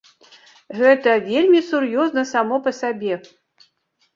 Гэта вельмі сур'ёзна само па сабе.